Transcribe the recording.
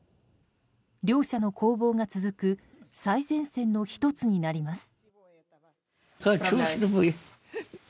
両者の攻防が続く最前線の１つになります。